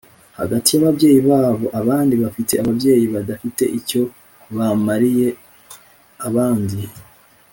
hagati y’ababyeyi babo, abandi bafite ababyeyi badafite icyo babamariye, abandi